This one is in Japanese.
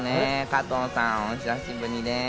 加藤さん、お久しぶりです。